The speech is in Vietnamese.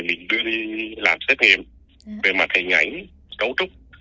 việc đưa đi làm xét nghiệm về mặt hình ảnh cấu trúc